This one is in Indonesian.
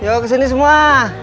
ayo kesini semua